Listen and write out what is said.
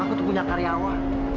aku tuh punya karyawan